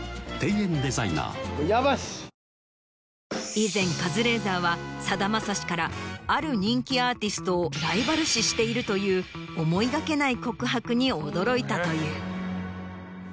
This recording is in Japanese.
以前カズレーザーはさだまさしからある人気アーティストをライバル視しているという思いがけない告白に驚いたという。